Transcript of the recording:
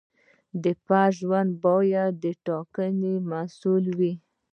د فرد ژوند باید د ټاکنې محصول وي.